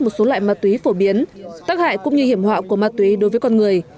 một số loại ma túy phổ biến tác hại cũng như hiểm họa của ma túy đối với con người